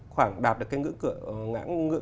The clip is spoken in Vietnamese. khoảng đạp được cái ngưỡng